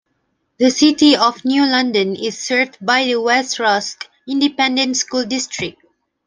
The city of New London is served by the West Rusk Independent School District.